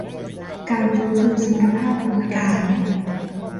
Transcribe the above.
การฟื้นฟูสมรรถภาพคนพิการ